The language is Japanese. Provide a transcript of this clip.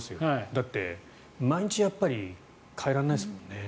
だって、毎日替えられないですもんね。